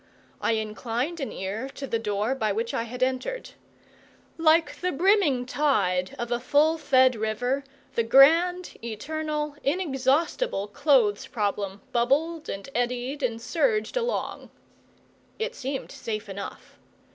I inclined an ear to the door by which I had entered. Like the brimming tide of a full fed river the grand, eternal, inexhaustible clothes problem bubbled and eddied and surged along. It seemed safe enough.